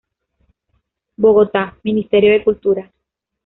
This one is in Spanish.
Bogotá: Ministerio de Cultura.